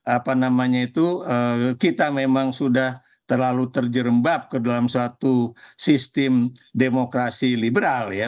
apa namanya itu kita memang sudah terlalu terjerembab ke dalam suatu sistem demokrasi liberal ya